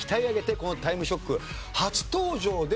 この『タイムショック』初登場で。